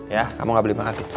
ya kamu gak boleh makan pizza